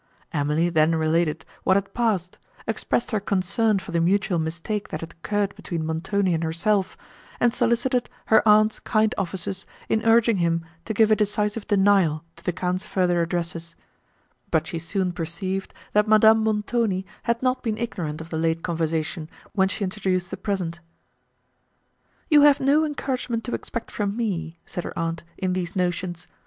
Emily then related what had passed, expressed her concern for the mutual mistake that had occurred between Montoni and herself, and solicited her aunt's kind offices in urging him to give a decisive denial to the count's further addresses; but she soon perceived, that Madame Montoni had not been ignorant of the late conversation, when she introduced the present. "You have no encouragement to expect from me," said her aunt, "in these notions.